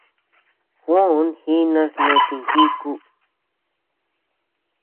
Juó jinas no chinjíku.